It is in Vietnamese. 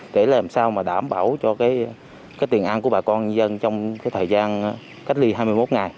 để làm sao mà đảm bảo cho cái tiền ăn của bà con nhân dân trong thời gian cách ly tập trung